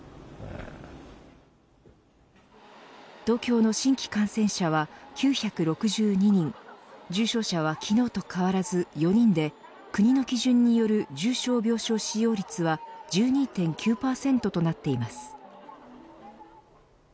東京の新規感染者は９６２人重症者は昨日と変わらず４人で国の基準による重症病床使用率は１２．９％となっています。